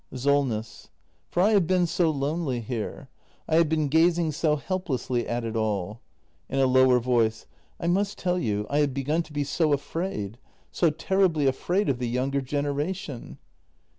Solness. For I have been so lonely here. I have been gazing so helplessly at it all. [In a lower voice.] I must tell you — I have begun to be so afraid — so terribly afraid of the younger generation.